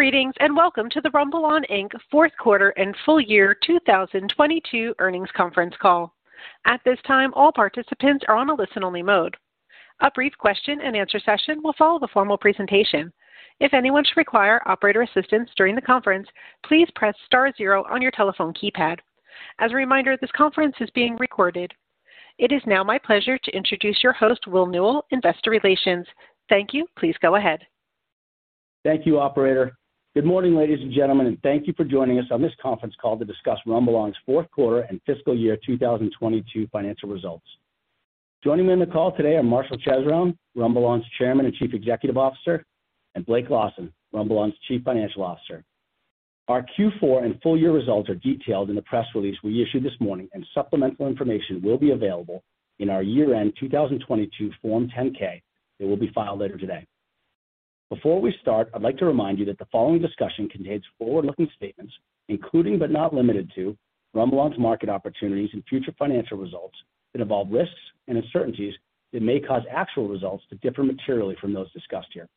Greetings, and welcome to the RumbleOn, Inc. fourth quarter and full year 2022 earnings conference call. At this time, all participants are on a listen-only mode. A brief question and answer session will follow the formal presentation. If anyone should require operator assistance during the conference, please press star zero on your telephone keypad. As a reminder, this conference is being recorded. It is now my pleasure to introduce your host, Will Newell, Investor Relations. Thank you. Please go ahead. Thank you, operator. Good morning, ladies and gentlemen, thank you for joining us on this conference call to discuss RumbleOn's fourth quarter and fiscal year 2022 financial results. Joining me on the call today are Marshall Chesrown, RumbleOn's Chairman and Chief Executive Officer, and Blake Lawson, RumbleOn's Chief Financial Officer. Our Q4 and full year results are detailed in the press release we issued this morning, and supplemental information will be available in our year-end 2022 Form 10-K that will be filed later today. Before we start, I'd like to remind you that the following discussion contains forward-looking statements including, but not limited to, RumbleOn's market opportunities and future financial results that involve risks and uncertainties that may cause actual results to differ materially from those discussed here.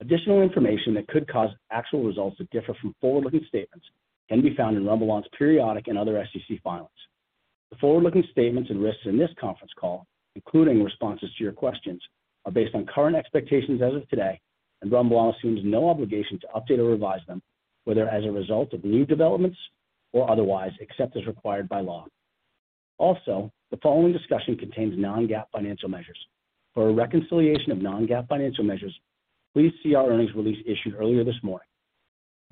Additional information that could cause actual results to differ from forward-looking statements can be found in RumbleOn's periodic and other SEC filings. The forward-looking statements and risks in this conference call, including responses to your questions, are based on current expectations as of today. RumbleOn assumes no obligation to update or revise them, whether as a result of new developments or otherwise, except as required by law. The following discussion contains non-GAAP financial measures. For a reconciliation of non-GAAP financial measures, please see our earnings release issued earlier this morning.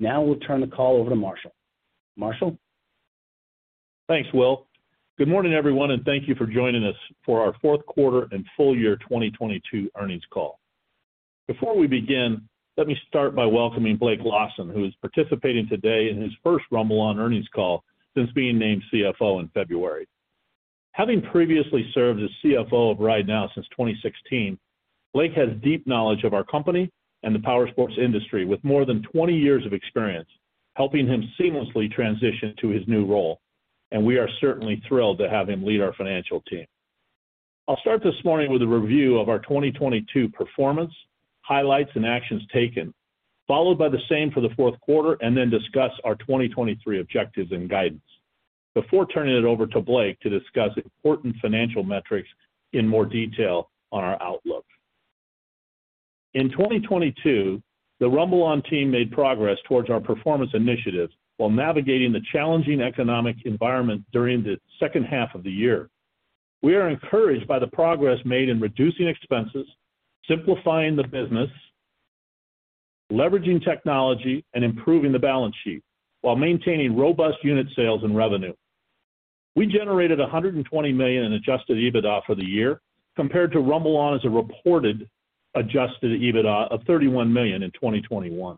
We'll turn the call over to Marshall. Marshall? Thanks, Will. Good morning, everyone, thank you for joining us for our fourth quarter and full year 2022 earnings call. Before we begin, let me start by welcoming Blake Lawson, who is participating today in his first RumbleOn earnings call since being named CFO in February. Having previously served as CFO of RideNow since 2016, Blake has deep knowledge of our company and the powersports industry with more than 20 years of experience, helping him seamlessly transition to his new role, and we are certainly thrilled to have him lead our financial team. I'll start this morning with a review of our 2022 performance, highlights, and actions taken, followed by the same for the fourth quarter, and then discuss our 2023 objectives and guidance before turning it over to Blake to discuss important financial metrics in more detail on our outlook. In 2022, the RumbleOn team made progress towards our performance initiatives while navigating the challenging economic environment during the second half of the year. We are encouraged by the progress made in reducing expenses, simplifying the business, leveraging technology, and improving the balance sheet while maintaining robust unit sales and revenue. We generated $120 million in adjusted EBITDA for the year compared to RumbleOn as a reported adjusted EBITDA of $31 million in 2021.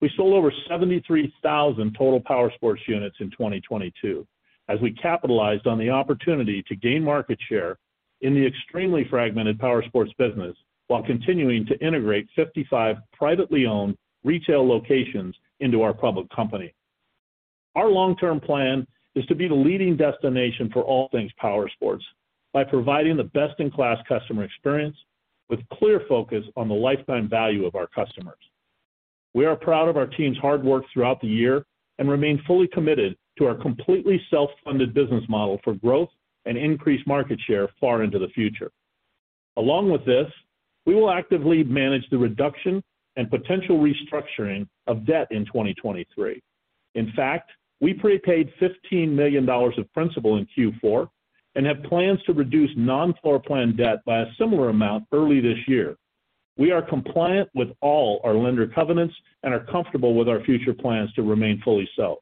We sold over 73,000 total powersports units in 2022 as we capitalized on the opportunity to gain market share in the extremely fragmented powersports business while continuing to integrate 55 privately owned retail locations into our public company. Our long-term plan is to be the leading destination for all things powersports by providing the best-in-class customer experience with clear focus on the lifetime value of our customers. We are proud of our team's hard work throughout the year and remain fully committed to our completely self-funded business model for growth and increased market share far into the future. Along with this, we will actively manage the reduction and potential restructuring of debt in 2023. In fact, we prepaid $15 million of principal in Q4 and have plans to reduce non-floor plan debt by a similar amount early this year. We are compliant with all our lender covenants and are comfortable with our future plans to remain fully self.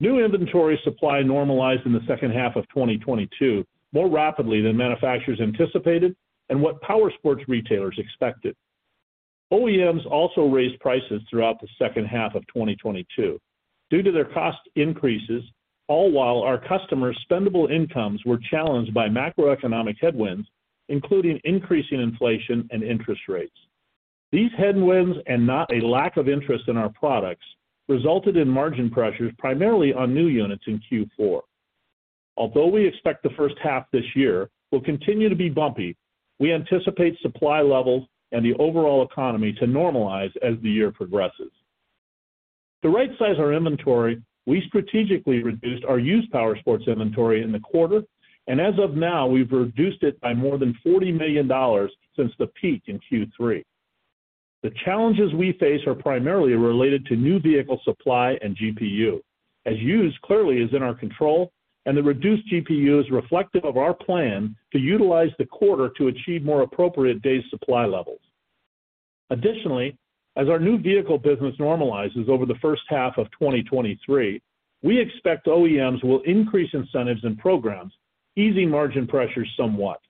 New inventory supply normalized in the second half of 2022 more rapidly than manufacturers anticipated and what powersports retailers expected. OEMs also raised prices throughout the second half of 2022 due to their cost increases, all while our customers' spendable incomes were challenged by macroeconomic headwinds, including increasing inflation and interest rates. These headwinds, and not a lack of interest in our products, resulted in margin pressures primarily on new units in Q4. Although we expect the first half this year will continue to be bumpy, we anticipate supply levels and the overall economy to normalize as the year progresses. To right-size our inventory, we strategically reduced our used powersports inventory in the quarter, and as of now, we've reduced it by more than $40 million since the peak in Q3. The challenges we face are primarily related to new vehicle supply and GPU, as used clearly is in our control and the reduced GPU is reflective of our plan to utilize the quarter to achieve more appropriate days supply levels. Additionally, as our new vehicle business normalizes over the first half of 2023, we expect OEMs will increase incentives and programs, easing margin pressures somewhat.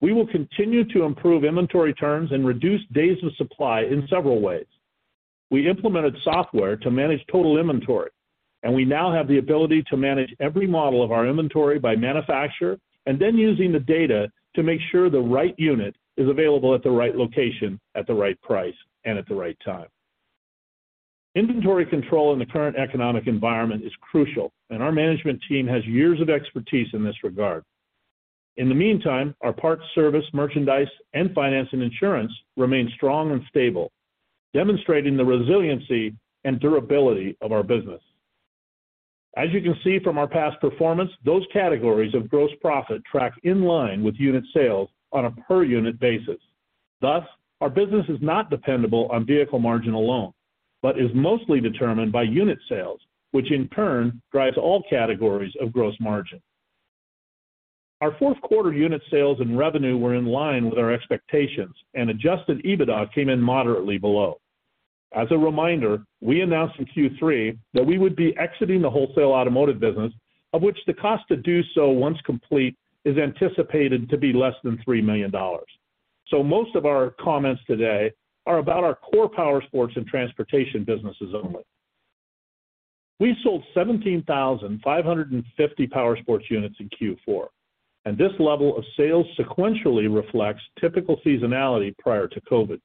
We will continue to improve inventory turns and reduce days of supply in several ways. We implemented software to manage total inventory. We now have the ability to manage every model of our inventory by manufacturer and then using the data to make sure the right unit is available at the right location at the right price and at the right time. Inventory control in the current economic environment is crucial. Our management team has years of expertise in this regard. In the meantime, our parts service, merchandise, and finance and insurance remain strong and stable, demonstrating the resiliency and durability of our business. As you can see from our past performance, those categories of gross profit track in line with unit sales on a per-unit basis. Thus, our business is not dependable on vehicle margin alone but is mostly determined by unit sales, which in turn drives all categories of gross margin. Our fourth quarter unit sales and revenue were in line with our expectations, and adjusted EBITDA came in moderately below. As a reminder, we announced in Q3 that we would be exiting the wholesale automotive business, of which the cost to do so once complete is anticipated to be less than $3 million. Most of our comments today are about our core powersports and transportation businesses only. We sold 17,550 powersports units in Q4, and this level of sales sequentially reflects typical seasonality prior to COVID.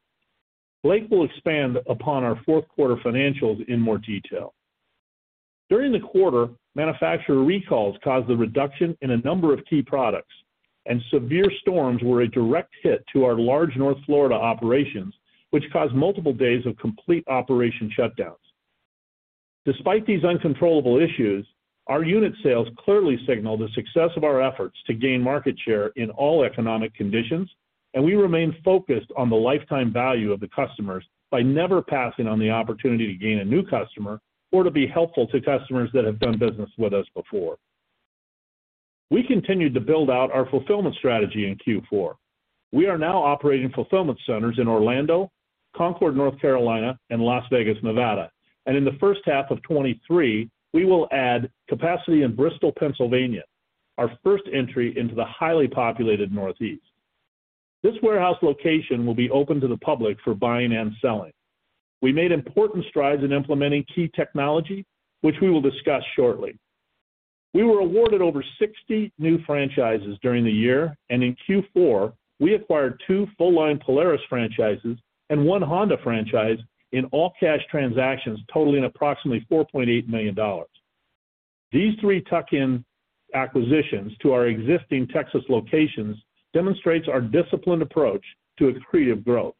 Blake will expand upon our fourth quarter financials in more detail. During the quarter, manufacturer recalls caused a reduction in a number of key products. Severe storms were a direct hit to our large North Florida operations, which caused multiple days of complete operation shutdowns. Despite these uncontrollable issues, our unit sales clearly signal the success of our efforts to gain market share in all economic conditions. We remain focused on the lifetime value of the customers by never passing on the opportunity to gain a new customer or to be helpful to customers that have done business with us before. We continued to build out our fulfillment strategy in Q4. We are now operating fulfillment centers in Orlando, Concord, North Carolina, and Las Vegas, Nevada. In the first half of 2023, we will add capacity in Bristol, Pennsylvania, our first entry into the highly populated Northeast. This warehouse location will be open to the public for buying and selling. We made important strides in implementing key technology, which we will discuss shortly. We were awarded over 60 new franchises during the year. In Q4, we acquired two full-line Polaris franchises and one Honda franchise in all-cash transactions totaling approximately $4.8 million. These three tuck-in acquisitions to our existing Texas locations demonstrates our disciplined approach to accretive growth.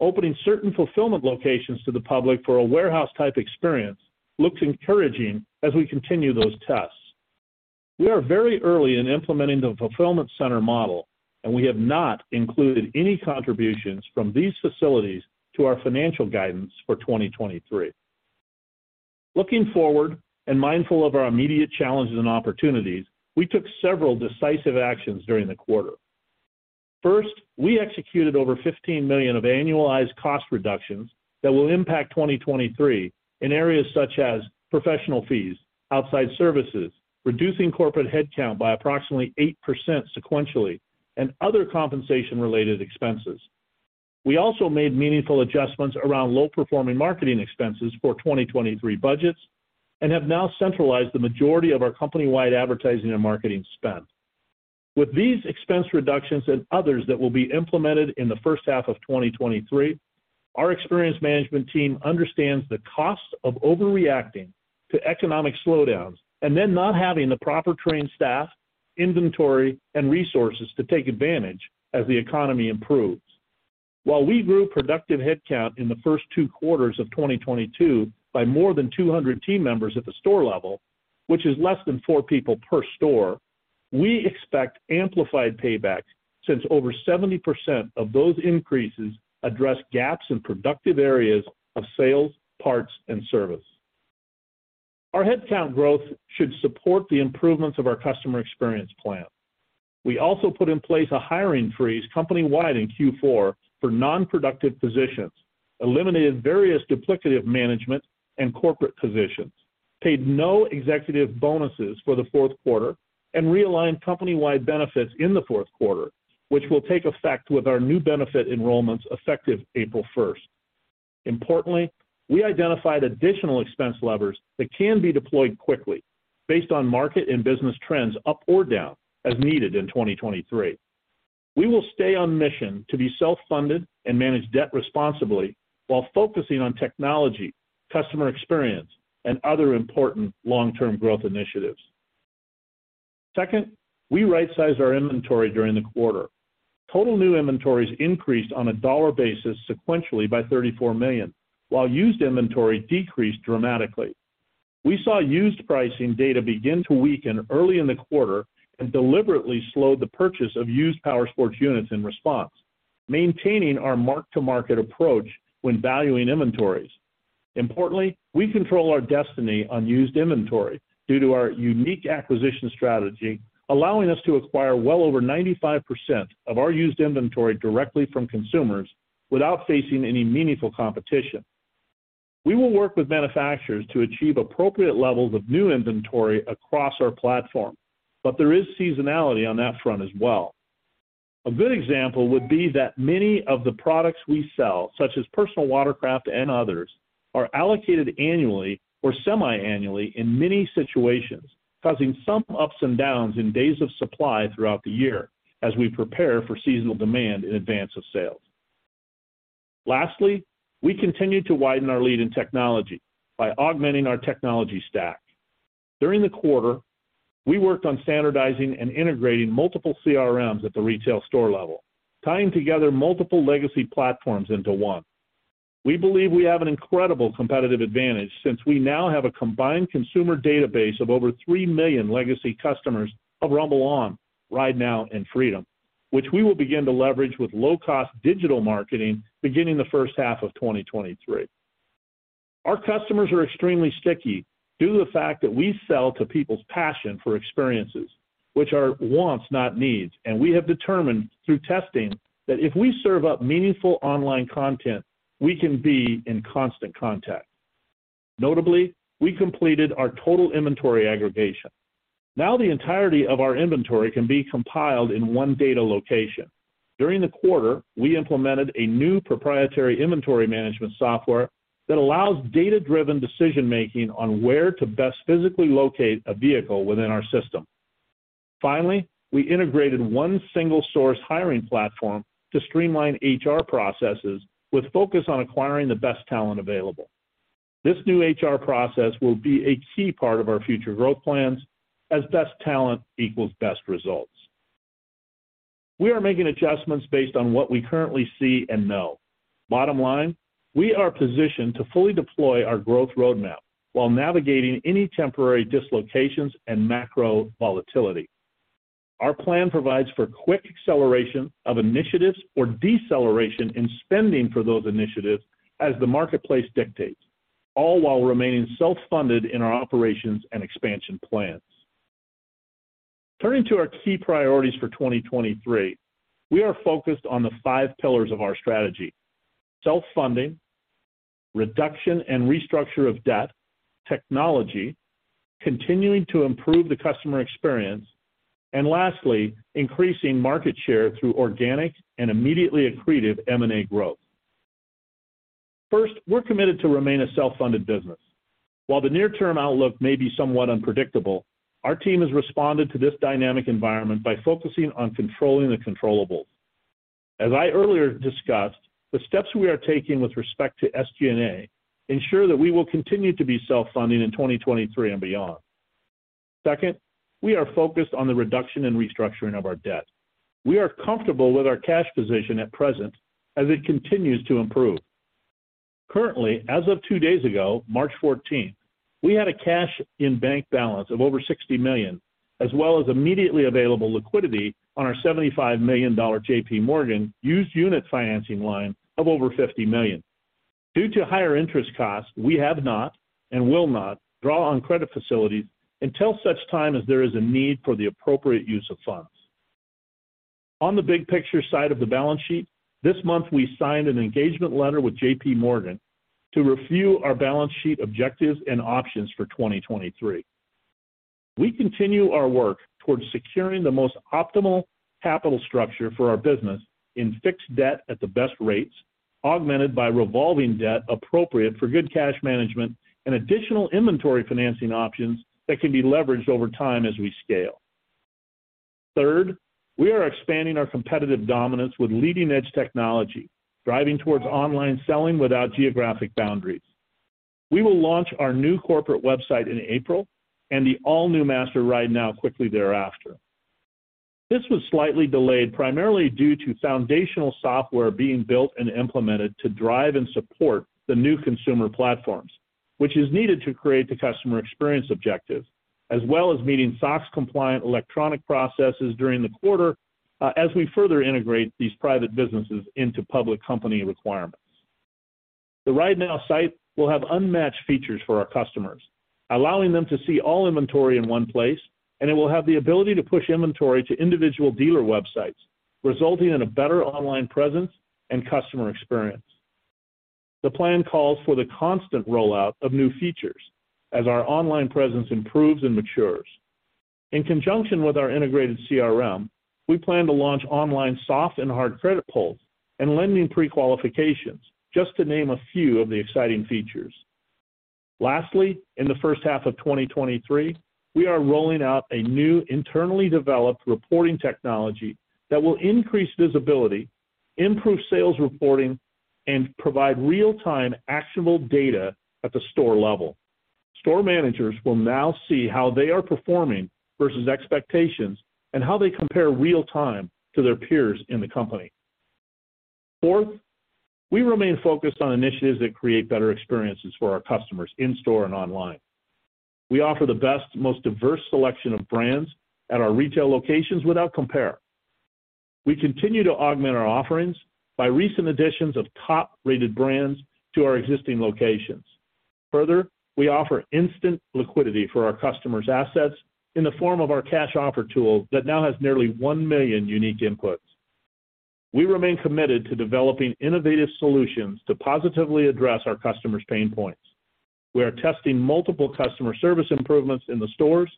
Opening certain fulfillment locations to the public for a warehouse-type experience looks encouraging as we continue those tests. We are very early in implementing the fulfillment center model, and we have not included any contributions from these facilities to our financial guidance for 2023. Looking forward and mindful of our immediate challenges and opportunities, we took several decisive actions during the quarter. First, we executed over $15 million of annualized cost reductions that will impact 2023 in areas such as professional fees, outside services, reducing corporate headcount by approximately 8% sequentially, and other compensation-related expenses. We also made meaningful adjustments around low-performing marketing expenses for 2023 budgets and have now centralized the majority of our company-wide advertising and marketing spend. With these expense reductions and others that will be implemented in the first half of 2023, our experienced management team understands the costs of overreacting to economic slowdowns and then not having the proper trained staff, inventory, and resources to take advantage as the economy improves. While we grew productive headcount in the first 2 quarters of 2022 by more than 200 team members at the store level, which is less than 4 people per store, we expect amplified payback since over 70% of those increases address gaps in productive areas of sales, parts, and service. Our headcount growth should support the improvements of our customer experience plan. We also put in place a hiring freeze company-wide in Q4 for non-productive positions, eliminated various duplicative management and corporate positions, paid no executive bonuses for the fourth quarter, and realigned company-wide benefits in the fourth quarter, which will take effect with our new benefit enrollments effective April 1st. Importantly, we identified additional expense levers that can be deployed quickly based on market and business trends up or down as needed in 2023. We will stay on mission to be self-funded and manage debt responsibly while focusing on technology, customer experience, and other important long-term growth initiatives. We right-sized our inventory during the quarter. Total new inventories increased on a dollar basis sequentially by $34 million, while used inventory decreased dramatically. We saw used pricing data begin to weaken early in the quarter and deliberately slowed the purchase of used powersports units in response, maintaining our mark-to-market approach when valuing inventories. Importantly, we control our destiny on used inventory due to our unique acquisition strategy, allowing us to acquire well over 95% of our used inventory directly from consumers without facing any meaningful competition. We will work with manufacturers to achieve appropriate levels of new inventory across our platform, there is seasonality on that front as well. A good example would be that many of the products we sell, such as personal watercraft and others, are allocated annually or semiannually in many situations, causing some ups and downs in days of supply throughout the year as we prepare for seasonal demand in advance of sales. Lastly, we continue to widen our lead in technology by augmenting our technology stack. During the quarter, we worked on standardizing and integrating multiple CRMs at the retail store level, tying together multiple legacy platforms into one. We believe we have an incredible competitive advantage since we now have a combined consumer database of over 3 million legacy customers of RumbleOn, RideNow, and Freedom, which we will begin to leverage with low-cost digital marketing beginning the first half of 2023. Our customers are extremely sticky due to the fact that we sell to people's passion for experiences, which are wants, not needs. We have determined through testing that if we serve up meaningful online content, we can be in constant contact. Notably, we completed our total inventory aggregation. Now the entirety of our inventory can be compiled in 1 data location. During the quarter, we implemented a new proprietary inventory management software that allows data-driven decision-making on where to best physically locate a vehicle within our system. Finally, we integrated 1 single source hiring platform to streamline HR processes with focus on acquiring the best talent available. This new HR process will be a key part of our future growth plans as best talent equals best results. We are making adjustments based on what we currently see and know. Bottom line, we are positioned to fully deploy our growth roadmap while navigating any temporary dislocations and macro volatility. Our plan provides for quick acceleration of initiatives or deceleration in spending for those initiatives as the marketplace dictates, all while remaining self-funded in our operations and expansion plans. Turning to our key priorities for 2023, we are focused on the five pillars of our strategy: self-funding, reduction and restructure of debt, technology, continuing to improve the customer experience, and lastly, increasing market share through organic and immediately accretive M&A growth. First, we're committed to remain a self-funded business. While the near-term outlook may be somewhat unpredictable, our team has responded to this dynamic environment by focusing on controlling the controllables. As I earlier discussed, the steps we are taking with respect to SG&A ensure that we will continue to be self-funding in 2023 and beyond. We are focused on the reduction and restructuring of our debt. We are comfortable with our cash position at present as it continues to improve. Currently, as of two days ago, March 14th, we had a cash in bank balance of over $60 million, as well as immediately available liquidity on our $75 million JPMorgan used unit financing line of over $50 million. Due to higher interest costs, we have not and will not draw on credit facilities until such time as there is a need for the appropriate use of funds. On the big picture side of the balance sheet, this month we signed an engagement letter with JPMorgan to review our balance sheet objectives and options for 2023. We continue our work towards securing the most optimal capital structure for our business in fixed debt at the best rates, augmented by revolving debt appropriate for good cash management and additional inventory financing options that can be leveraged over time as we scale. We are expanding our competitive dominance with leading-edge technology, driving towards online selling without geographic boundaries. We will launch our new corporate website in April and the all-new Master RideNow quickly thereafter. This was slightly delayed primarily due to foundational software being built and implemented to drive and support the new consumer platforms, which is needed to create the customer experience objectives, as well as meeting SOX-compliant electronic processes during the quarter, as we further integrate these private businesses into public company requirements. The RideNow site will have unmatched features for our customers, allowing them to see all inventory in one place, and it will have the ability to push inventory to individual dealer websites, resulting in a better online presence and customer experience. The plan calls for the constant rollout of new features as our online presence improves and matures. In conjunction with our integrated CRM, we plan to launch online soft and hard credit pulls and lending pre-qualifications, just to name a few of the exciting features. In the first half of 2023, we are rolling out a new internally developed reporting technology that will increase visibility, improve sales reporting, and provide real-time actionable data at the store level. Store managers will now see how they are performing versus expectations and how they compare real-time to their peers in the company. Fourth, we remain focused on initiatives that create better experiences for our customers in-store and online. We offer the best, most diverse selection of brands at our retail locations without compare. We continue to augment our offerings by recent additions of top-rated brands to our existing locations. Further, we offer instant liquidity for our customers' assets in the form of our Cash Offer Tool that now has nearly 1 million unique inputs. We remain committed to developing innovative solutions to positively address our customers' pain points. We are testing multiple customer service improvements in the stores,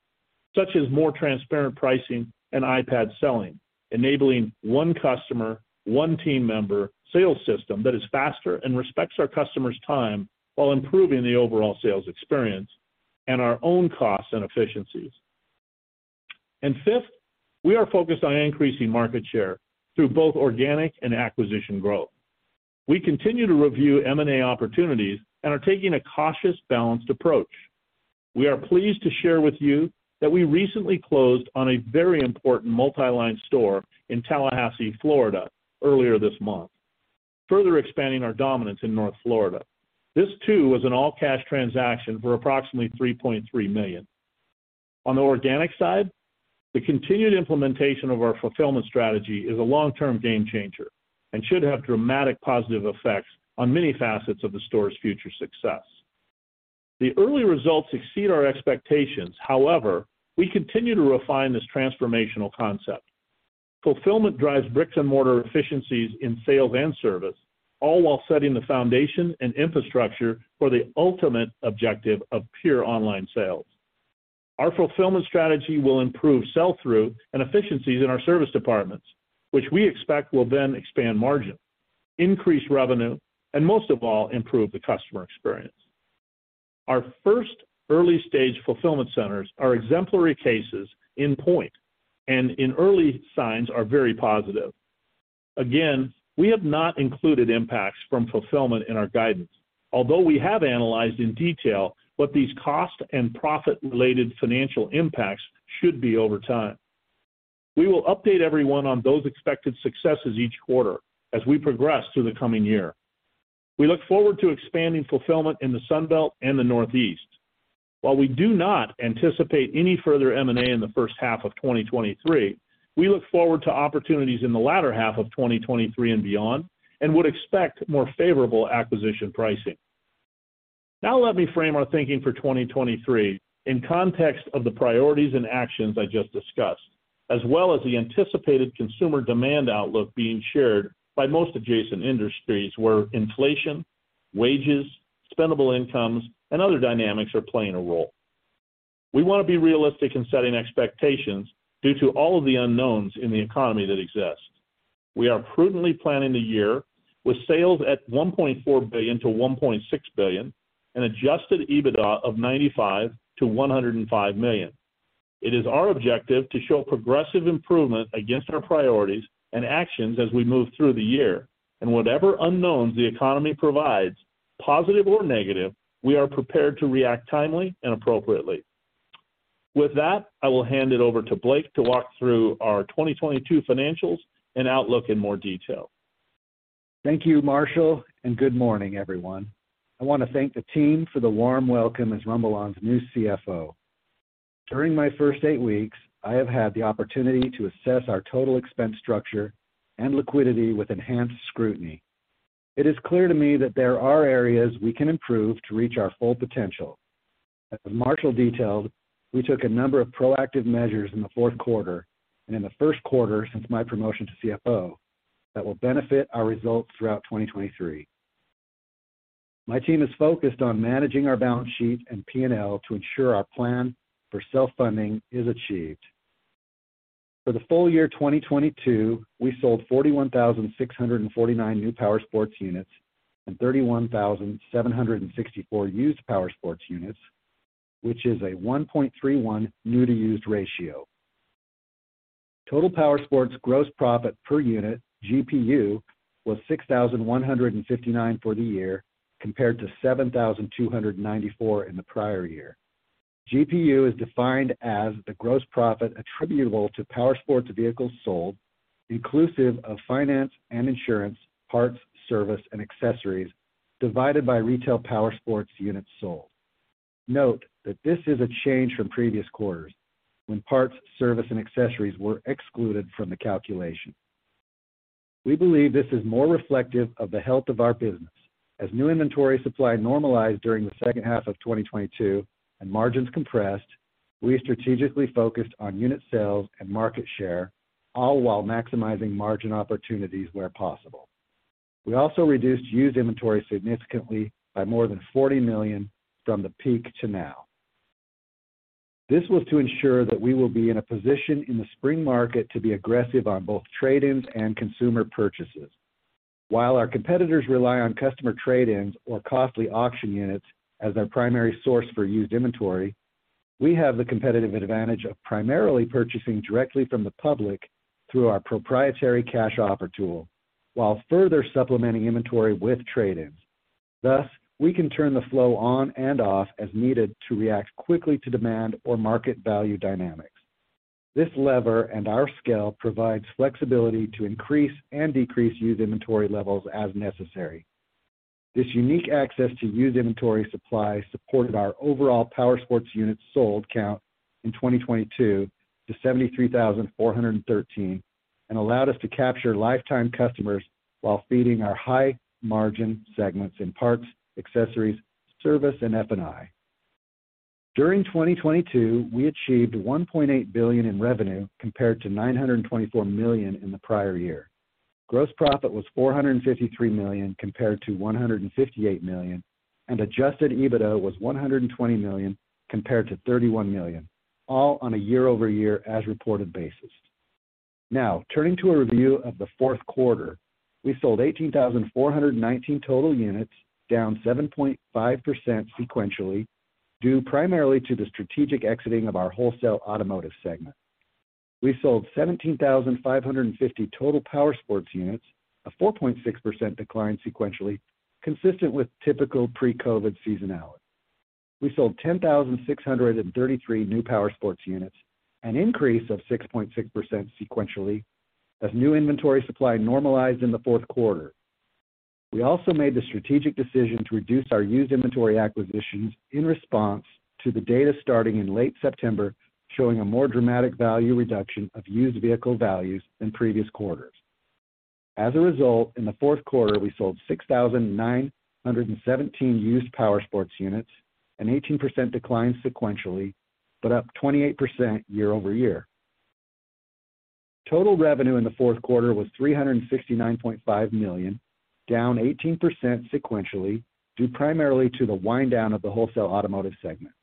such as more transparent pricing and iPad selling, enabling one customer, one team member sales system that is faster and respects our customers' time while improving the overall sales experience and our own costs and efficiencies. Fifth, we are focused on increasing market share through both organic and acquisition growth. We continue to review M&A opportunities and are taking a cautious, balanced approach. We are pleased to share with you that we recently closed on a very important multi-line store in Tallahassee, Florida earlier this month, further expanding our dominance in North Florida. This too was an all-cash transaction for approximately $3.3 million. On the organic side, the continued implementation of our fulfillment strategy is a long-term game changer and should have dramatic positive effects on many facets of the store's future success. The early results exceed our expectations. However, we continue to refine this transformational concept. Fulfillment drives bricks-and-mortar efficiencies in sales and service, all while setting the foundation and infrastructure for the ultimate objective of pure online sales. Our fulfillment strategy will improve sell-through and efficiencies in our service departments, which we expect will then expand margin, increase revenue, and most of all, improve the customer experience. Our first early-stage fulfillment centers are exemplary cases in point, and in early signs are very positive. Again, we have not included impacts from fulfillment in our guidance, although we have analyzed in detail what these cost and profit-related financial impacts should be over time. We will update everyone on those expected successes each quarter as we progress through the coming year. We look forward to expanding fulfillment in the Sun Belt and the Northeast. While we do not anticipate any further M&A in the first half of 2023, we look forward to opportunities in the latter half of 2023 and beyond and would expect more favorable acquisition pricing. Now let me frame our thinking for 2023 in context of the priorities and actions I just discussed, as well as the anticipated consumer demand outlook being shared by most adjacent industries where inflation, wages, spendable incomes, and other dynamics are playing a role. We wanna be realistic in setting expectations due to all of the unknowns in the economy that exist. We are prudently planning the year with sales at $1.4 billion-$1.6 billion and adjusted EBITDA of $95 million-$105 million. It is our objective to show progressive improvement against our priorities and actions as we move through the year. Whatever unknowns the economy provides, positive or negative, we are prepared to react timely and appropriately. With that, I will hand it over to Blake to walk through our 2022 financials and outlook in more detail. Thank you, Marshall. Good morning, everyone. I wanna thank the team for the warm welcome as RumbleOn's new CFO. During my first eight weeks, I have had the opportunity to assess our total expense structure and liquidity with enhanced scrutiny. It is clear to me that there are areas we can improve to reach our full potential. As Marshall detailed, we took a number of proactive measures in the fourth quarter and in the first quarter since my promotion to CFO that will benefit our results throughout 2023. My team is focused on managing our balance sheet and P&L to ensure our plan for self-funding is achieved. For the full year 2022, we sold 41,649 new powersports units and 31,764 used powersports units, which is a 1.31 new to used ratio. Total powersports gross profit per unit, GPU, was $6,159 for the year, compared to $7,294 in the prior year. GPU is defined as the gross profit attributable to powersports vehicles sold, inclusive of finance and insurance, parts, service, and accessories, divided by retail powersports units sold. Note that this is a change from previous quarters when parts, service, and accessories were excluded from the calculation. We believe this is more reflective of the health of our business. As new inventory supply normalized during the second half of 2022 and margins compressed, we strategically focused on unit sales and market share, all while maximizing margin opportunities where possible. We also reduced used inventory significantly by more than $40 million from the peak to now. This was to ensure that we will be in a position in the spring market to be aggressive on both trade-ins and consumer purchases. While our competitors rely on customer trade-ins or costly auction units as their primary source for used inventory, we have the competitive advantage of primarily purchasing directly from the public through our proprietary Cash Offer Tool while further supplementing inventory with trade-ins. Thus, we can turn the flow on and off as needed to react quickly to demand or market value dynamics. This lever and our scale provides flexibility to increase and decrease used inventory levels as necessary. This unique access to used inventory supply supported our overall powersports units sold count in 2022 to 73,413 and allowed us to capture lifetime customers while feeding our high-margin segments in parts, accessories, service, and F&I. During 2022, we achieved $1.8 billion in revenue compared to $924 million in the prior year. Gross profit was $453 million compared to $158 million. Adjusted EBITDA was $120 million compared to $31 million, all on a year-over-year as-reported basis. Turning to a review of the fourth quarter. We sold 18,419 total units, down 7.5% sequentially, due primarily to the strategic exiting of our wholesale automotive segment. We sold 17,550 total powersports units, a 4.6% decline sequentially, consistent with typical pre-COVID seasonality. We sold 10,633 new powersports units, an increase of 6.6% sequentially as new inventory supply normalized in the fourth quarter. We also made the strategic decision to reduce our used inventory acquisitions in response to the data starting in late September, showing a more dramatic value reduction of used vehicle values in previous quarters. In the fourth quarter, we sold 6,917 used powersports units, an 18% decline sequentially, but up 28% year-over-year. Total revenue in the fourth quarter was $369.5 million, down 18% sequentially, due primarily to the wind down of the wholesale automotive segment.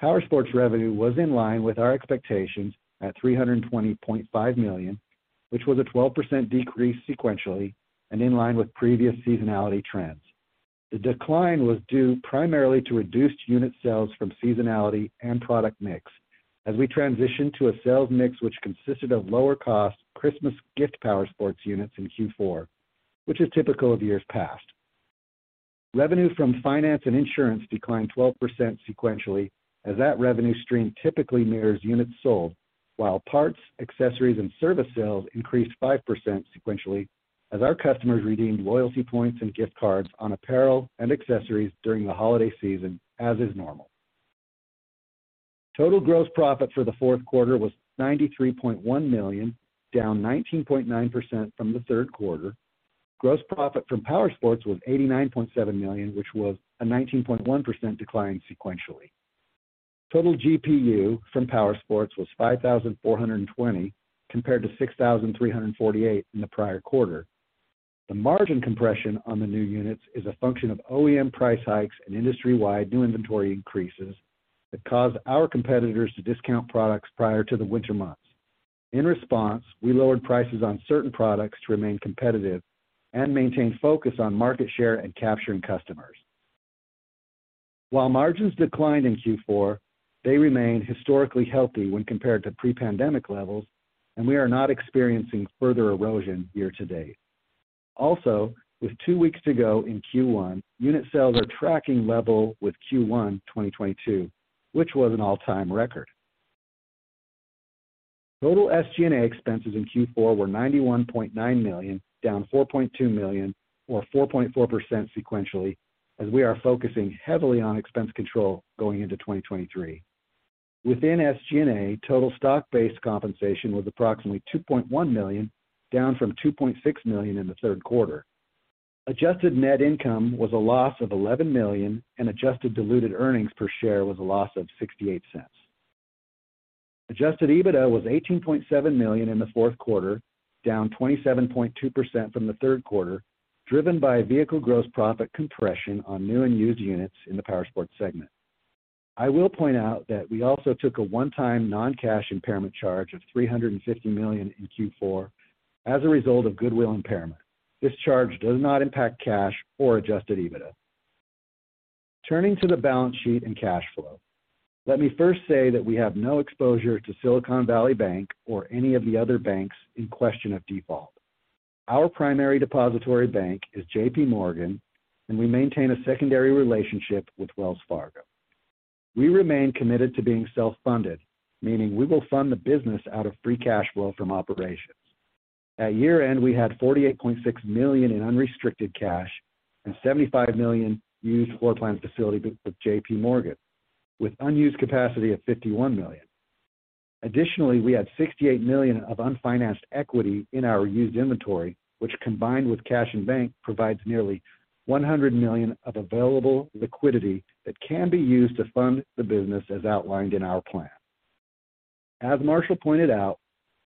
Powersports revenue was in line with our expectations at $320.5 million, which was a 12% decrease sequentially and in line with previous seasonality trends. The decline was due primarily to reduced unit sales from seasonality and product mix as we transitioned to a sales mix which consisted of lower cost Christmas gift powersports units in Q4, which is typical of years past. Revenue from finance and insurance declined 12% sequentially as that revenue stream typically mirrors units sold, while parts, accessories and service sales increased 5% sequentially as our customers redeemed loyalty points and gift cards on apparel and accessories during the holiday season, as is normal. Total gross profit for the fourth quarter was $93.1 million, down 19.9% from the third quarter. Gross profit from powersports was $89.7 million, which was a 19.1% decline sequentially. Total GPU from powersports was 5,420 compared to 6,348 in the prior quarter. The margin compression on the new units is a function of OEM price hikes and industry-wide new inventory increases that caused our competitors to discount products prior to the winter months. In response, we lowered prices on certain products to remain competitive and maintain focus on market share and capturing customers. While margins declined in Q4, they remained historically healthy when compared to pre-pandemic levels, and we are not experiencing further erosion year-to-date. With 2 weeks to go in Q1, unit sales are tracking level with Q1 2022, which was an all-time record. Total SG&A expenses in Q4 were $91.9 million, down $4.2 million or 4.4% sequentially as we are focusing heavily on expense control going into 2023. Within SG&A, total stock-based compensation was approximately $2.1 million, down from $2.6 million in the third quarter. Adjusted net income was a loss of $11 million and adjusted diluted earnings per share was a loss of $0.68. Adjusted EBITDA was $18.7 million in the fourth quarter, down 27.2% from the third quarter, driven by vehicle gross profit compression on new and used units in the powersports segment. I will point out that we also took a one-time non-cash impairment charge of $350 million in Q4 as a result of goodwill impairment. This charge does not impact cash or adjusted EBITDA. Turning to the balance sheet and cash flow, let me first say that we have no exposure to Silicon Valley Bank or any of the other banks in question of default. Our primary depository bank is JPMorgan, and we maintain a secondary relationship with Wells Fargo. We remain committed to being self-funded, meaning we will fund the business out of free cash flow from operations. At year-end, we had $48.6 million in unrestricted cash and $75 million used floor plan facility with JPMorgan, with unused capacity of $51 million. Additionally, we had $68 million of unfinanced equity in our used inventory, which combined with cash and bank, provides nearly $100 million of available liquidity that can be used to fund the business as outlined in our plan. As Marshall pointed out,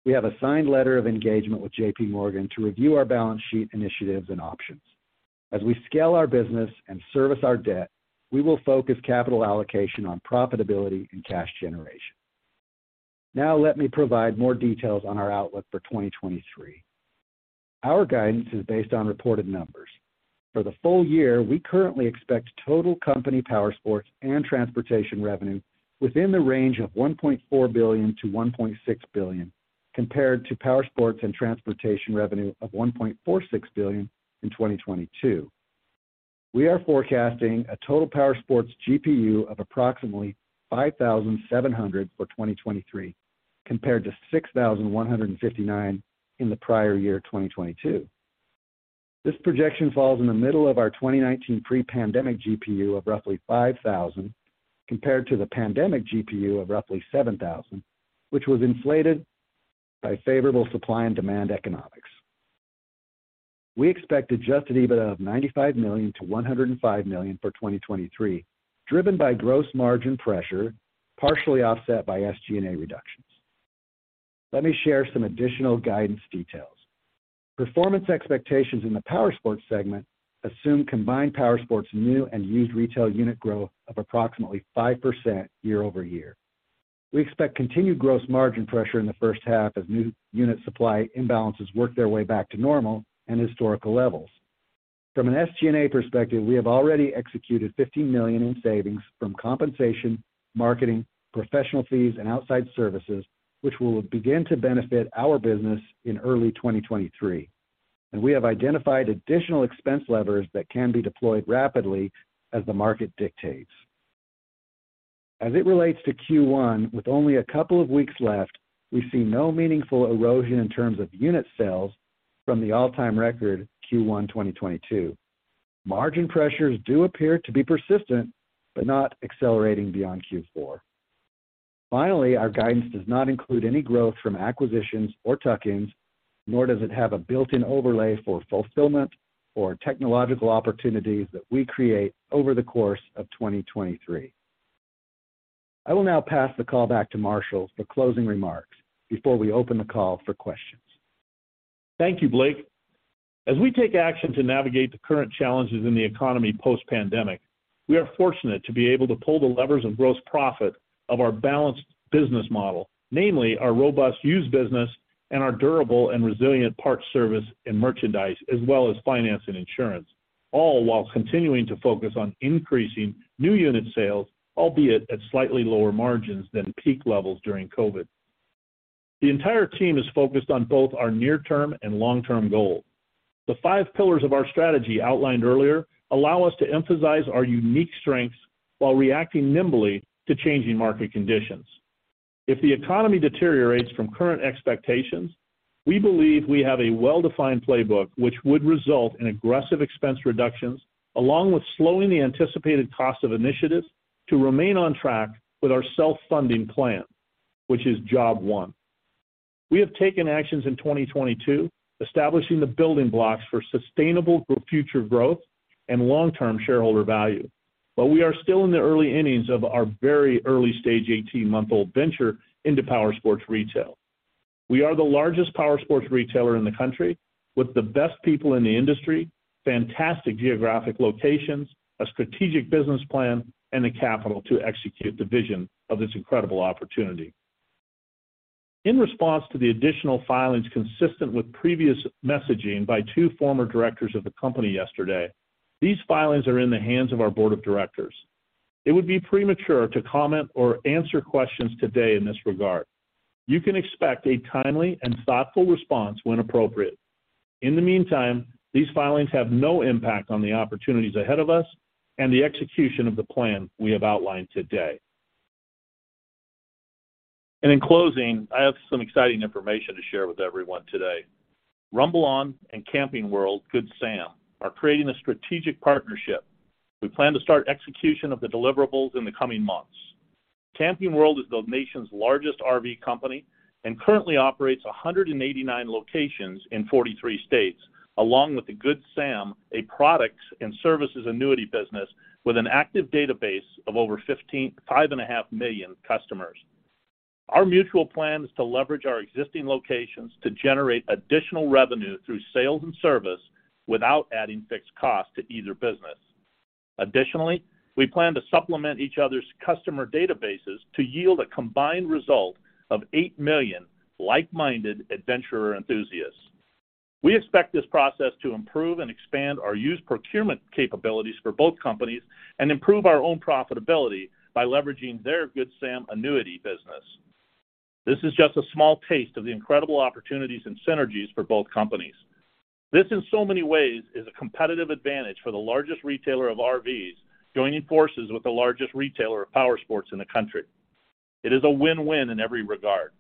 we have a signed letter of engagement with JPMorgan to review our balance sheet initiatives and options. As we scale our business and service our debt, we will focus capital allocation on profitability and cash generation. Let me provide more details on our outlook for 2023. Our guidance is based on reported numbers. For the full year, we currently expect total company powersports and transportation revenue within the range of $1.4 billion-$1.6 billion, compared to powersports and transportation revenue of $1.46 billion in 2022. We are forecasting a total powersports GPU of approximately 5,700 for 2023, compared to 6,159 in the prior year, 2022. This projection falls in the middle of our 2019 pre-pandemic GPU of roughly 5,000, compared to the pandemic GPU of roughly 7,000, which was inflated by favorable supply and demand economics. We expect adjusted EBITDA of $95 million-$105 million for 2023, driven by gross margin pressure, partially offset by SG&A reductions. Let me share some additional guidance details. Performance expectations in the powersports segment assume combined powersports new and used retail unit growth of approximately 5% year-over-year. We expect continued gross margin pressure in the first half as new unit supply imbalances work their way back to normal and historical levels. From an SG&A perspective, we have already executed $50 million in savings from compensation, marketing, professional fees, and outside services, which will begin to benefit our business in early 2023, and we have identified additional expense levers that can be deployed rapidly as the market dictates. As it relates to Q1, with only a couple of weeks left, we see no meaningful erosion in terms of unit sales from the all-time record Q1 2022. Margin pressures do appear to be persistent, but not accelerating beyond Q4. Our guidance does not include any growth from acquisitions or tuck-ins, nor does it have a built-in overlay for fulfillment or technological opportunities that we create over the course of 2023. I will now pass the call back to Marshall for closing remarks before we open the call for questions. Thank you, Blake. As we take action to navigate the current challenges in the economy post-pandemic, we are fortunate to be able to pull the levers of gross profit of our balanced business model, namely our robust used business and our durable and resilient parts service and merchandise, as well as finance and insurance, all while continuing to focus on increasing new unit sales, albeit at slightly lower margins than peak levels during COVID. The entire team is focused on both our near-term and long-term goals. The 5 pillars of our strategy outlined earlier allow us to emphasize our unique strengths while reacting nimbly to changing market conditions. If the economy deteriorates from current expectations, we believe we have a well-defined playbook which would result in aggressive expense reductions along with slowing the anticipated cost of initiatives to remain on track with our self-funding plan, which is job 1. We have taken actions in 2022, establishing the building blocks for sustainable future growth and long-term shareholder value, but we are still in the early innings of our very early stage 18-month-old venture into powersports retail. We are the largest powersports retailer in the country with the best people in the industry, fantastic geographic locations, a strategic business plan, and the capital to execute the vision of this incredible opportunity. In response to the additional filings consistent with previous messaging by two former directors of the company yesterday, these filings are in the hands of our board of directors. It would be premature to comment or answer questions today in this regard. You can expect a timely and thoughtful response when appropriate. In the meantime, these filings have no impact on the opportunities ahead of us and the execution of the plan we have outlined today. In closing, I have some exciting information to share with everyone today. RumbleOn and Camping World Good Sam are creating a strategic partnership. We plan to start execution of the deliverables in the coming months. Camping World is the nation's largest RV company and currently operates 189 locations in 43 states, along with the Good Sam, a product and services annuity business with an active database of over 5.5 million customers. Our mutual plan is to leverage our existing locations to generate additional revenue through sales and service without adding fixed costs to either business. Additionally, we plan to supplement each other's customer databases to yield a combined result of 8 million like-minded adventurer enthusiasts. We expect this process to improve and expand our used procurement capabilities for both companies and improve our own profitability by leveraging their Good Sam annuity business. This is just a small taste of the incredible opportunities and synergies for both companies. This, in so many ways, is a competitive advantage for the largest retailer of RVs joining forces with the largest retailer of powersports in the country. It is a win-win in every regard.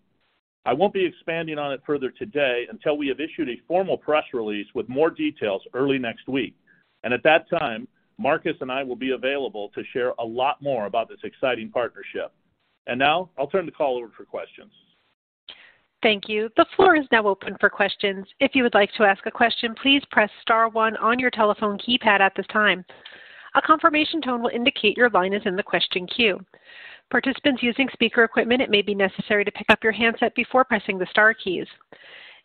I won't be expanding on it further today until we have issued a formal press release with more details early next week. At that time, Marcus and I will be available to share a lot more about this exciting partnership. Now I'll turn the call over for questions. Thank you. The floor is now open for questions. If you would like to ask a question, please press star one on your telephone keypad at this time. A confirmation tone will indicate your line is in the question queue. Participants using speaker equipment, it may be necessary to pick up your handset before pressing the star keys.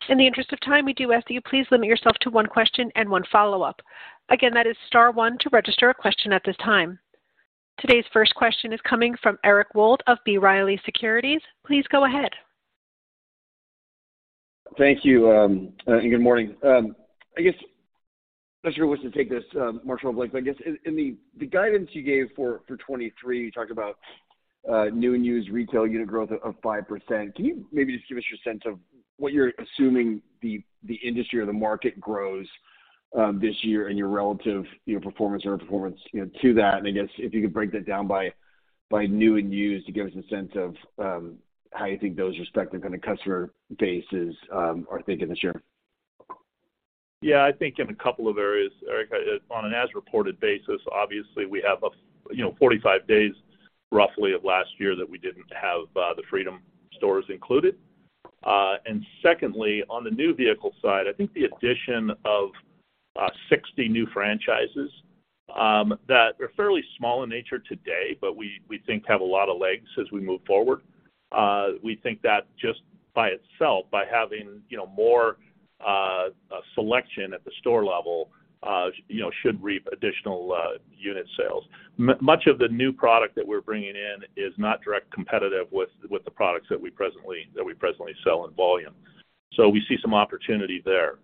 In the interest of time, we do ask that you please limit yourself to one question and one follow-up. Again, that is star one to register a question at this time. Today's first question is coming from Eric Wold of B. Riley Securities. Please go ahead. Thank you, and good morning. I guess, not sure who wants to take this, Marshall or Blake, but I guess in the guidance you gave for 2023, you talked about new and used retail unit growth of 5%. Can you maybe just give us your sense of what you're assuming the industry or the market grows this year and your relative, you know, performance, you know, to that? I guess if you could break that down by new and used to give us a sense of how you think those respective kind of customer bases are thinking this year? Yeah, I think in a couple of areas, Eric. On an as-reported basis, obviously we have a you know, 45 days roughly of last year that we didn't have the Freedom stores included. Secondly, on the new vehicle side, I think the addition of 60 new franchises that are fairly small in nature today, but we think have a lot of legs as we move forward. We think that just by itself, by having, you know, more selection at the store level, you know, should reap additional unit sales. Much of the new product that we're bringing in is not direct competitive with the products that we presently sell in volume. We see some opportunity there.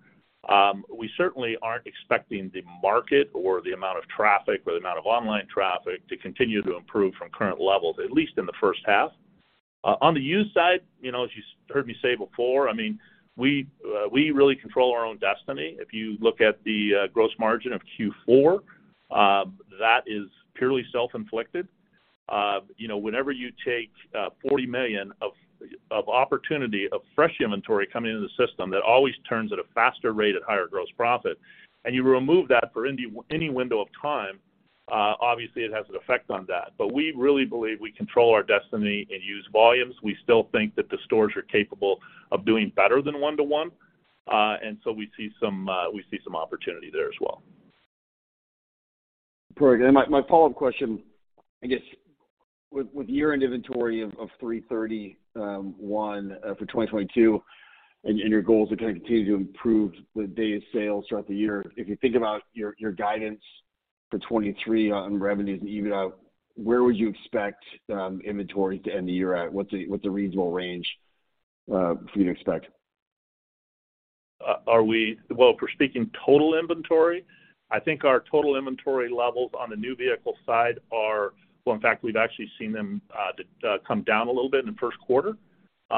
We certainly aren't expecting the market or the amount of traffic or the amount of online traffic to continue to improve from current levels, at least in the first half. On the used side, you know, as you heard me say before, I mean, we really control our own destiny. If you look at the gross margin of Q4, that is purely self-inflicted. You know, whenever you take $40 million of opportunity, of fresh inventory coming into the system, that always turns at a faster rate at higher gross profit, and you remove that for any window of time, obviously it has an effect on that. We really believe we control our destiny in used volumes. We still think that the stores are capable of doing better than one to one. We see some opportunity there as well. Perfect. My follow-up question, I guess with year-end inventory of $331 for 2022, and your goals are going to continue to improve with day sales throughout the year, if you think about your guidance for 2023 on revenues and even out, where would you expect inventory to end the year at? What's a reasonable range for you to expect? Well, if we're speaking total inventory, I think our total inventory levels on the new vehicle side. Well, in fact, we've actually seen them come down a little bit in the first quarter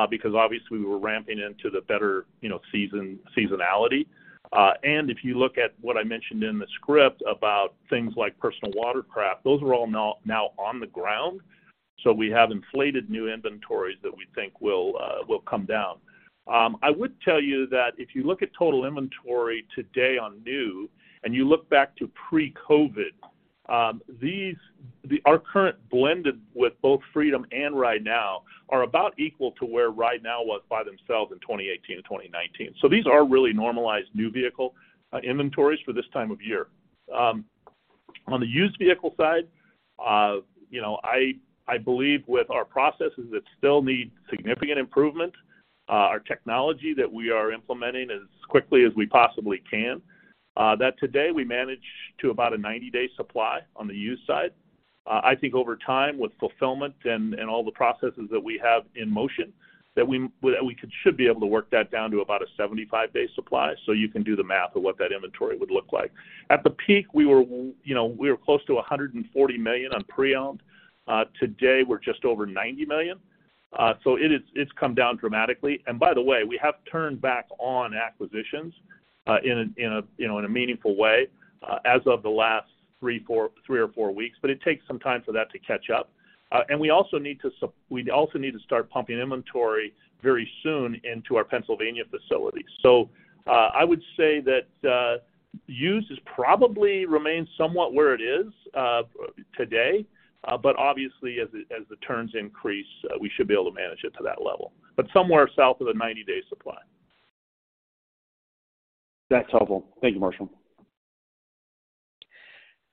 because obviously we were ramping into the better, you know, seasonality. If you look at what I mentioned in the script about things like personal watercraft, those are all now on the ground. We have inflated new inventories that we think will come down. I would tell you that if you look at total inventory today on new and you look back to pre-COVID, our current blended with both Freedom and RideNow are about equal to where RideNow was by themselves in 2018 and 2019. These are really normalized new vehicle inventories for this time of year. On the used vehicle side, you know, I believe with our processes that still need significant improvement, our technology that we are implementing as quickly as we possibly can, that today we manage to about a 90-day supply on the used side. I think over time, with fulfillment and all the processes that we have in motion, that we that we should be able to work that down to about a 75-day supply. You can do the math of what that inventory would look like. At the peak, we were, you know, we were close to $140 million on pre-owned. Today, we're just over $90 million. It is it's come down dramatically. By the way, we have turned back on acquisitions, you know, in a meaningful way, as of the last 3 or 4 weeks. It takes some time for that to catch up. We also need to start pumping inventory very soon into our Pennsylvania facility. I would say that used is probably remains somewhat where it is today. Obviously as the turns increase, we should be able to manage it to that level. Somewhere south of the 90-day supply. That's helpful. Thank you, Marshall.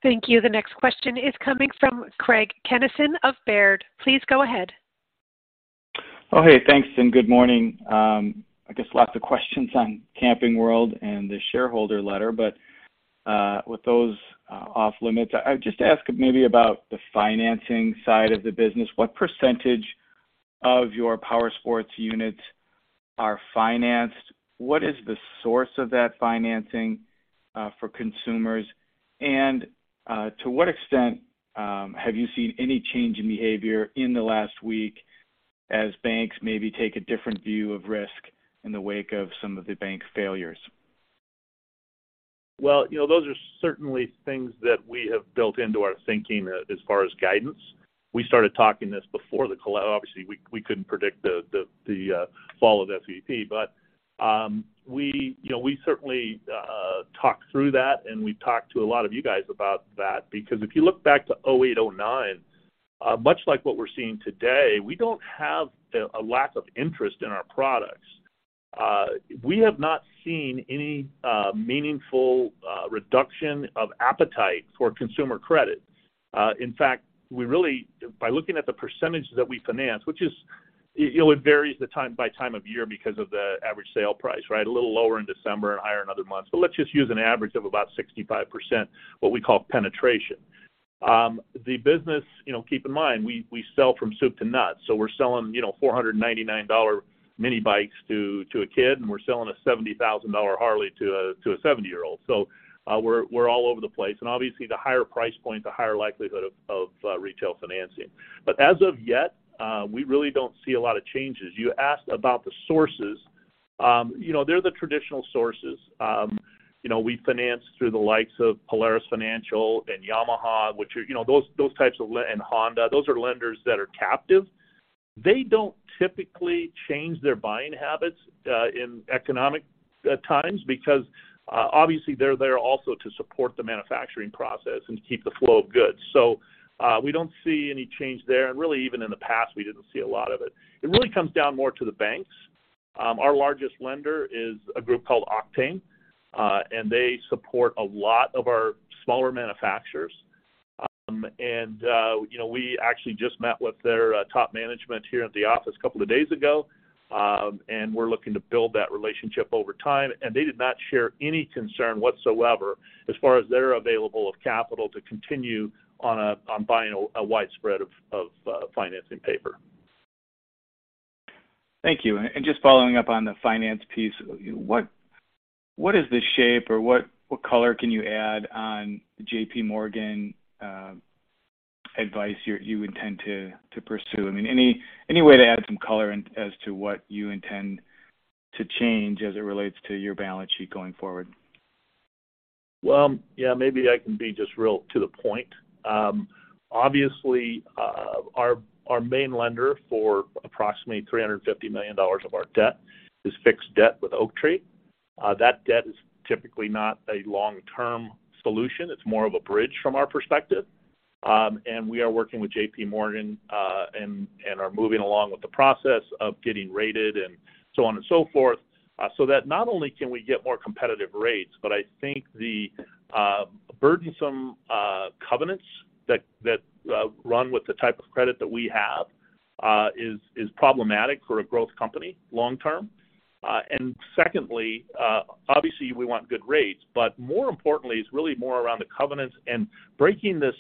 Thank you. The next question is coming from Craig Kennison of Baird. Please go ahead. Oh, hey, thanks, and good morning. I guess lots of questions on Camping World and the shareholder letter, but with those off limits, I'd just ask maybe about the financing side of the business. What percentage of your powersports units are financed? What is the source of that financing for consumers? To what extent have you seen any change in behavior in the last week as banks maybe take a different view of risk in the wake of some of the bank failures? Well, you know, those are certainly things that we have built into our thinking as far as guidance. We started talking this before Obviously, we couldn't predict the fall of SVB. We, you know, we certainly talked through that and we've talked to a lot of you guys about that. If you look back to 2008, 2009, much like what we're seeing today, we don't have a lack of interest in our products. We have not seen any meaningful reduction of appetite for consumer credit. In fact, By looking at the percentage that we finance, It varies the time, by time of year because of the average sale price, right? A little lower in December and higher in other months. Let's just use an average of about 65%, what we call penetration. The business, you know, keep in mind, we sell from soup to nuts. We're selling, you know, $499 mini bikes to a kid, and we're selling a $70,000 Harley to a 70-year-old. We're all over the place. Obviously, the higher price point, the higher likelihood of retail financing. As of yet, we really don't see a lot of changes. You asked about the sources. You know, they're the traditional sources. You know, we finance through the likes of Polaris Financial and Yamaha, which are, you know, those types of and Honda, those are lenders that are captive. They don't typically change their buying habits in economic times, because obviously, they're there also to support the manufacturing process and to keep the flow of goods. We don't see any change there. Really, even in the past, we didn't see a lot of it. It really comes down more to the banks. Our largest lender is a group called Octane, and they support a lot of our smaller manufacturers. You know, we actually just met with their top management here at the office a couple of days ago, and we're looking to build that relationship over time. They did not share any concern whatsoever as far as their available of capital to continue on buying a widespread of financing paper. Thank you. Just following up on the finance piece, what is the shape or what color can you add on JPMorgan advice you intend to pursue? I mean, any way to add some color in as to what you intend to change as it relates to your balance sheet going forward? Well, yeah, maybe I can be just real to the point. Obviously, our main lender for approximately $350 million of our debt is fixed debt with Oaktree. That debt is typically not a long-term solution. It's more of a bridge from our perspective. We are working with JPMorgan and are moving along with the process of getting rated and so on and so forth, so that not only can we get more competitive rates, but I think the burdensome covenants that run with the type of credit that we have is problematic for a growth company long term. Secondly, obviously, we want good rates, but more importantly, it's really more around the covenants and breaking this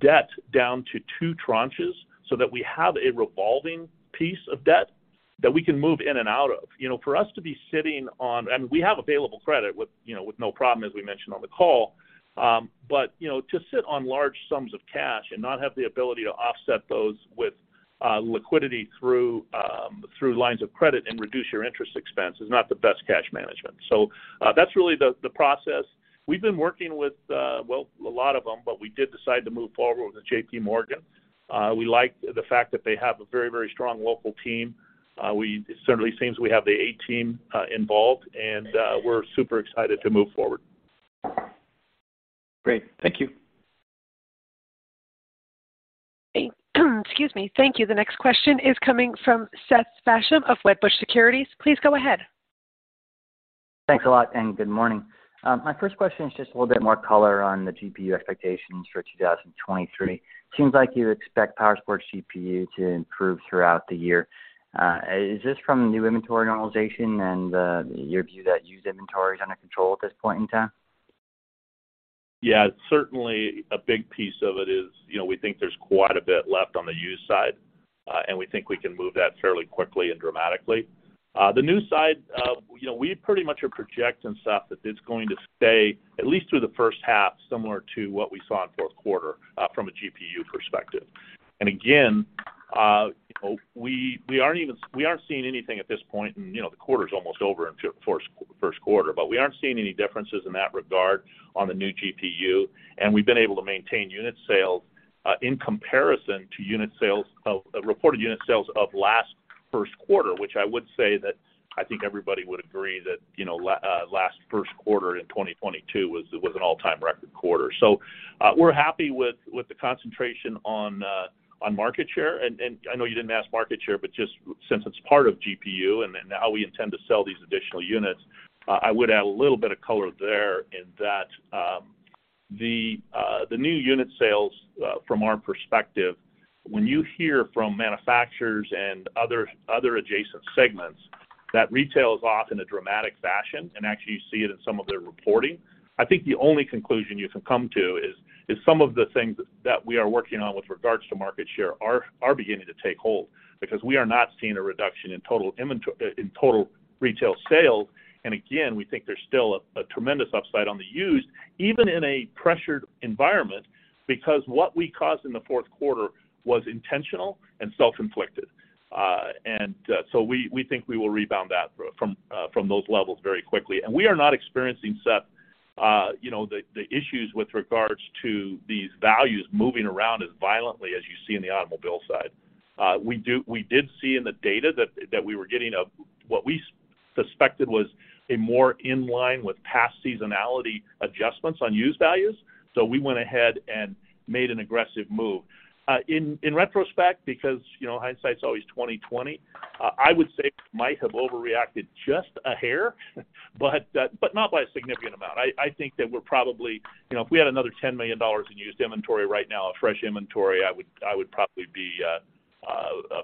debt down to two tranches so that we have a revolving piece of debt that we can move in and out of. We have available credit with, you know, with no problem, as we mentioned on the call. You know, to sit on large sums of cash and not have the ability to offset those with liquidity through lines of credit and reduce your interest expense is not the best cash management. That's really the process. We've been working with, well, a lot of them, but we did decide to move forward with JPMorgan. We like the fact that they have a very, very strong local team. It certainly seems we have the A team involved, and we're super excited to move forward. Great. Thank you. Excuse me. Thank you. The next question is coming from Seth Basham of Wedbush Securities. Please go ahead. Thanks a lot. Good morning. My first question is just a little bit more color on the GPU expectations for 2023. Seems like you expect Powersports GPU to improve throughout the year. Is this from new inventory normalization and your view that used inventory is under control at this point in time? Certainly a big piece of it is, you know, we think there's quite a bit left on the used side, and we think we can move that fairly quickly and dramatically. The new side, you know, we pretty much are projecting, Seth, that it's going to stay at least through the first half, similar to what we saw in fourth quarter, from a GPU perspective. Again, you know, we aren't seeing anything at this point, and, you know, the quarter's almost over in first quarter, but we aren't seeing any differences in that regard on the new GPU. We've been able to maintain unit sales in comparison to reported unit sales of last first quarter, which I would say that I think everybody would agree that, you know, last first quarter in 2022 was an all-time record quarter. We're happy with the concentration on market share. I know you didn't ask market share, but just since it's part of GPU and then how we intend to sell these additional units, I would add a little bit of color there in that the new unit sales from our perspective, when you hear from manufacturers and other adjacent segments that retail is off in a dramatic fashion and actually you see it in some of their reporting, I think the only conclusion you can come to is some of the things that we are working on with regards to market share are beginning to take hold because we are not seeing a reduction in total retail sales. Again, we think there's still a tremendous upside on the used, even in a pressured environment, because what we caused in the fourth quarter was intentional and self-inflicted. We think we will rebound that from those levels very quickly. We are not experiencing, Seth, you know, the issues with regards to these values moving around as violently as you see in the automobile side. We did see in the data that we were getting of what we suspected was a more in line with past seasonality adjustments on used values. We went ahead and made an aggressive move. In retrospect, because, you know, hindsight's always 20/20, I would say we might have overreacted just a hair, but not by a significant amount. I think that we're probably... You know, if we had another $10 million in used inventory right now, a fresh inventory, I would probably be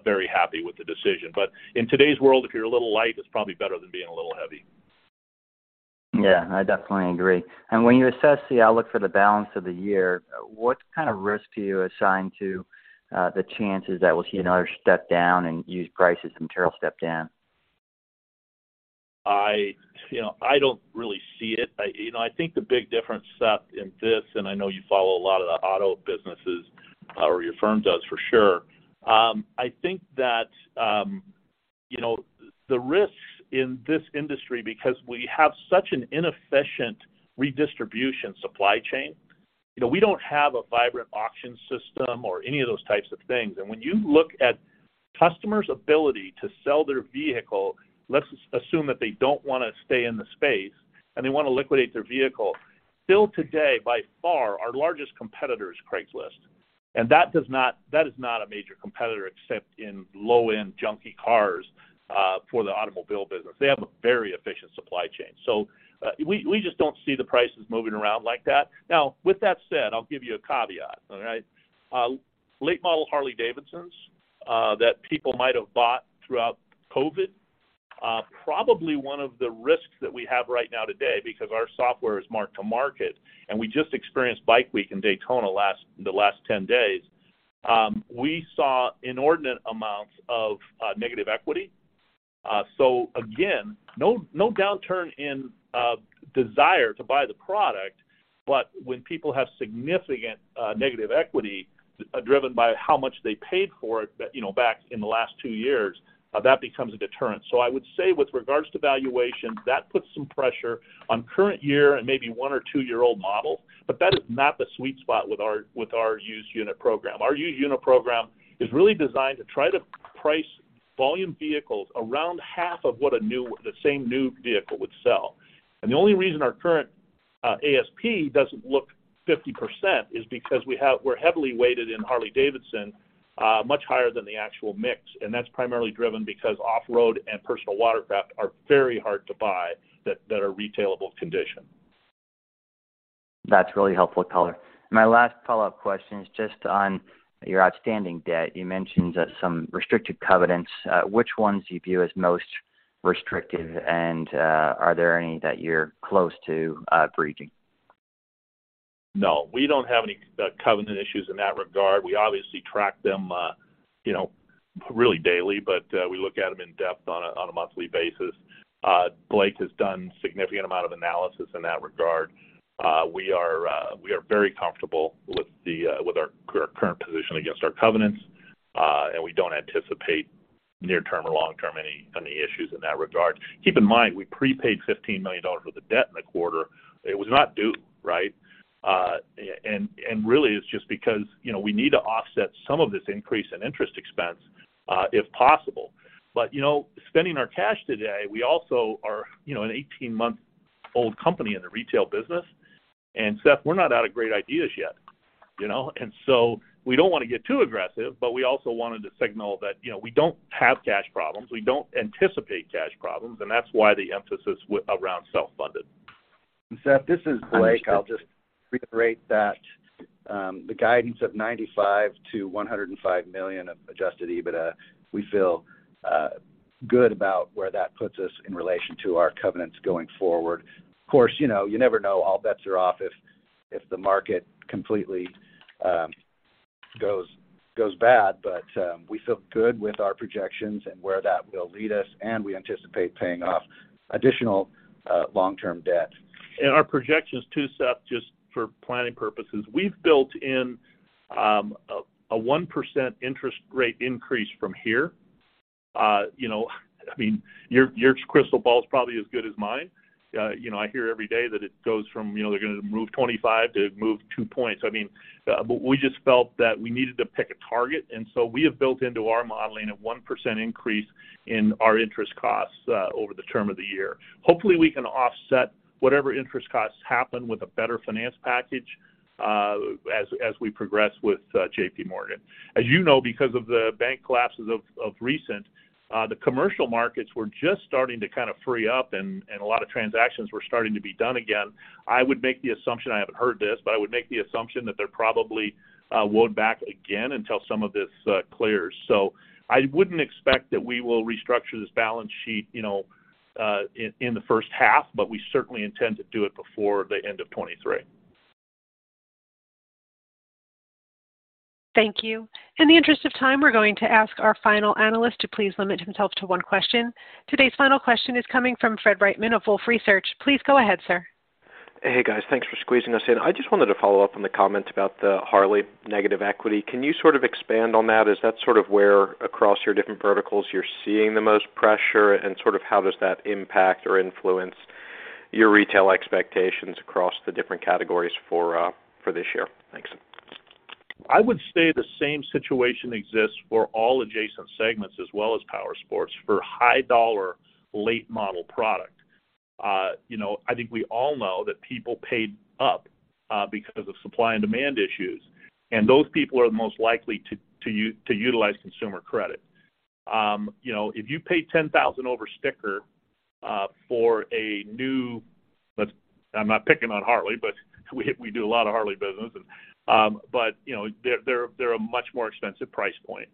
very happy with the decision. In today's world, if you're a little light, it's probably better than being a little heavy. Yeah, I definitely agree. When you assess the outlook for the balance of the year, what kind of risk do you assign to the chances that we'll see another step down in used prices and material step down? I, you know, I don't really see it. I, you know, I think the big difference, Seth, in this, and I know you follow a lot of the auto businesses, or your firm does for sure. I think that, you know, the risks in this industry, because we have such an inefficient redistribution supply chain, you know, we don't have a vibrant auction system or any of those types of things. When you look at customers' ability to sell their vehicle, let's assume that they don't wanna stay in the space, and they want to liquidate their vehicle. Still today, by far, our largest competitor is Craigslist. That is not a major competitor except in low-end junky cars, for the automobile business. They have a very efficient supply chain. We just don't see the prices moving around like that. With that said, I'll give you a caveat, all right? late model Harley-Davidsons that people might have bought throughout COVID, probably one of the risks that we have right now today because our software is mark-to-market, and we just experienced Bike Week in Daytona last, the last 10 days, we saw inordinate amounts of negative equity. Again, no downturn in desire to buy the product, but when people have significant negative equity driven by how much they paid for it, you know, back in the last 2 years, that becomes a deterrent. I would say with regards to valuation, that puts some pressure on current year and maybe 1 or 2-year-old models, but that is not the sweet spot with our, with our used unit program. Our used unit program is really designed to try to price volume vehicles around half of what the same new vehicle would sell. The only reason our current ASP doesn't look 50% is because we're heavily weighted in Harley-Davidson, much higher than the actual mix. That's primarily driven because off-road and personal watercraft are very hard to buy that are retailable condition. That's really helpful color. My last follow-up question is just on your outstanding debt. You mentioned that some restricted covenants. Which ones do you view as most restrictive? Are there any that you're close to breaching? No, we don't have any covenant issues in that regard. We obviously track them, you know, really daily, but we look at them in-depth on a monthly basis. Blake has done significant amount of analysis in that regard. We are very comfortable with our current position against our covenants. We don't anticipate near term or long term any issues in that regard. Keep in mind, we prepaid $15 million worth of debt in the quarter. It was not due, right? Really it's just because, you know, we need to offset some of this increase in interest expense, if possible. You know, spending our cash today, we also are, you know, an 18-month-old company in the retail business, and Seth, we're not out of great ideas yet, you know? We don't want to get too aggressive, but we also wanted to signal that, you know, we don't have cash problems, we don't anticipate cash problems, and that's why the emphasis around self-funded. Seth, this is Blake. I'll just reiterate that the guidance of $95 million-$105 million of adjusted EBITDA, we feel good about where that puts us in relation to our covenants going forward. Of course, you know, you never know, all bets are off if the market completely goes bad. We feel good with our projections and where that will lead us, and we anticipate paying off additional long-term debt. Our projections too, Seth, just for planning purposes, we've built in a 1% interest rate increase from here. You know, I mean, your crystal ball is probably as good as mine. You know, I hear every day that it goes from, you know, they're gonna move 25 to move 2 points. I mean, we just felt that we needed to pick a target. We have built into our modeling a 1% increase in our interest costs over the term of the year. Hopefully, we can offset whatever interest costs happen with a better finance package as we progress with JPMorgan. As you know, because of the bank collapses of recent, the commercial markets were just starting to kind of free up and a lot of transactions were starting to be done again. I would make the assumption, I haven't heard this, but I would make the assumption that they're probably wound back again until some of this clears. I wouldn't expect that we will restructure this balance sheet, you know, in the first half, but we certainly intend to do it before the end of 2023. Thank you. In the interest of time, we're going to ask our final analyst to please limit himself to one question. Today's final question is coming from Fred Wightman of Wolfe Research. Please go ahead, sir. Hey, guys. Thanks for squeezing us in. I just wanted to follow up on the comment about the Harley-Davidson negative equity. Can you sort of expand on that? Is that sort of where across your different verticals you're seeing the most pressure? Sort of how does that impact or influence your retail expectations across the different categories for this year? Thanks. I would say the same situation exists for all adjacent segments as well as powersports for high dollar late model product. You know, I think we all know that people paid up because of supply and demand issues, and those people are the most likely to utilize consumer credit. You know, if you paid $10,000 over sticker for a new. I'm not picking on Harley-Davidson, but we do a lot of Harley-Davidson business. But you know, they're a much more expensive price point.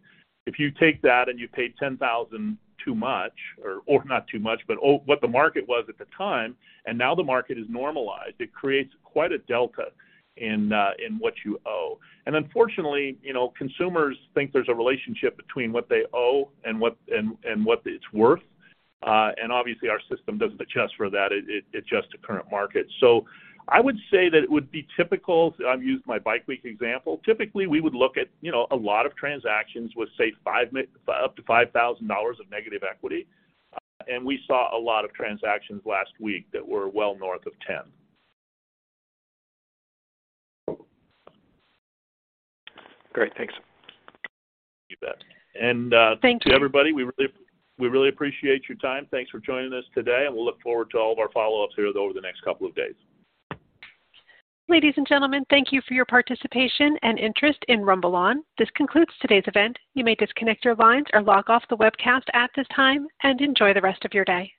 If you take that and you paid $10,000 too much, or not too much, but what the market was at the time, and now the market is normalized, it creates quite a delta in what you owe. Unfortunately, you know, consumers think there's a relationship between what they owe and what it's worth. Obviously, our system doesn't adjust for that. It adjusts to current market. I would say that it would be typical. I've used my Bike Week example. Typically, we would look at, you know, a lot of transactions with, say, up to $5,000 of negative equity. We saw a lot of transactions last week that were well north of $10,000. Great. Thanks. You bet. Thank you. To everybody, we really appreciate your time. Thanks for joining us today, and we look forward to all of our follow-ups here over the next couple of days. Ladies and gentlemen, thank you for your participation and interest in RumbleOn. This concludes today's event. You may disconnect your lines or log off the webcast at this time, and enjoy the rest of your day.